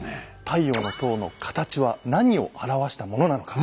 「太陽の塔」のカタチは何を表したものなのか。